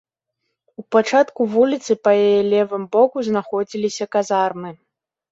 У пачатку вуліцы па яе левым боку знаходзіліся казармы.